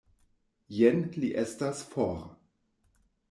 Jen, li estas for.